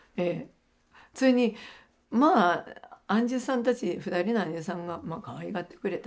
普通にまあ庵主さんたち２人の庵主さんがかわいがってくれた。